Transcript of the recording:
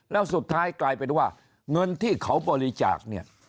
แล้วสุดท้ายกลายเป็นว่าเงินที่เขาบริจาคเนี่ย